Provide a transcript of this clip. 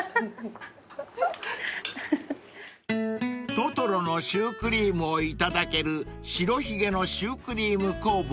［トトロのシュークリームをいただける白髭のシュークリーム工房さん］